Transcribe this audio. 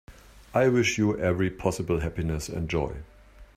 I wish you every possible happiness and joy.